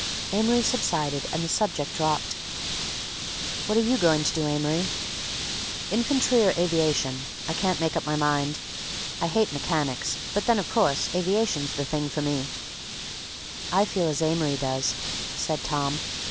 Amory subsided, and the subject dropped. "What are you going to do, Amory?" "Infantry or aviation, I can't make up my mind—I hate mechanics, but then of course aviation's the thing for me—" "I feel as Amory does," said Tom.